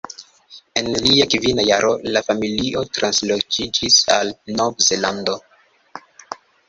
En lia kvina jaro la familio transloĝiĝis al Nov-Zelando.